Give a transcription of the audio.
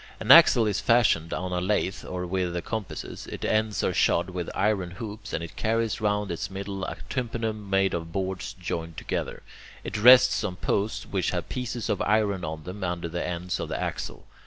An axle is fashioned on a lathe or with the compasses, its ends are shod with iron hoops, and it carries round its middle a tympanum made of boards joined together. It rests on posts which have pieces of iron on them under the ends of the axle.